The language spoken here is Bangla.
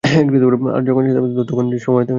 আর যখন সে থামবে তখন সময়ও থেমে যাবে।